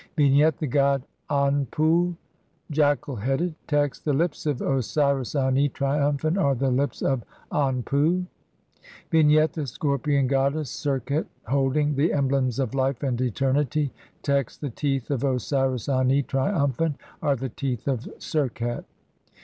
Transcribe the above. Vignette : The god Anpu, jackal headed. Text : (5) The lips of Osiris Ani, triumphant, are the lips of Anpu. Vignette : The scorpion goddess Serqet holding the emblems of life and eternity. Text : (6) The teeth of Osiris Ani, triumphant, are the teeth of Serqet.